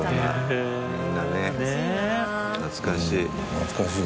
懐かしい。